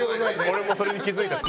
俺もそれに気付いた」